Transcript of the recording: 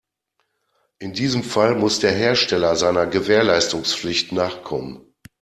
In diesem Fall muss der Hersteller seiner Gewährleistungspflicht nachkommen.